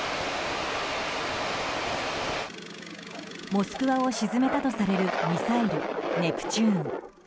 「モスクワ」を沈めたとされるミサイル、ネプチューン。